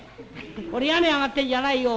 俺屋根上がってんじゃないよ。